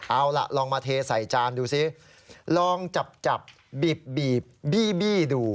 เอาล่ะลองมาเทใส่จานดูซิลองจับบีบบี้ดู